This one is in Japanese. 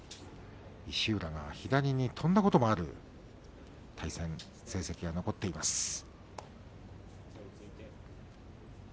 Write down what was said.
石浦が左に跳んだこともある対戦成績が残っています。